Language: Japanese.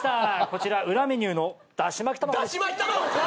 こちら裏メニューのだし巻き卵です。